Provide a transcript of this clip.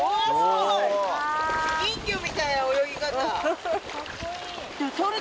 人魚みたいな泳ぎ方。